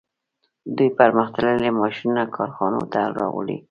دوی پرمختللي ماشینونه کارخانو ته راوړي